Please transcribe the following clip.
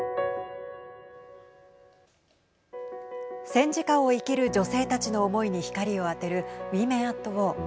戦時下を生きる女性たちの思いに光を当てるＷｏｍｅｎ＠ｗａｒ。